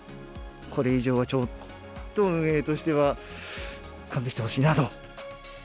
これ以上はちょっと運営としては勘弁してほしいなと。